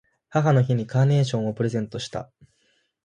母の日にカーネーションをプレゼントした。